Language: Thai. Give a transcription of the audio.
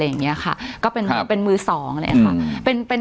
อย่างเงี้ยค่ะก็เป็นครับเป็นมือสองเลยอะค่ะเป็นเป็น